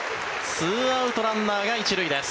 ２アウトランナーが１塁です。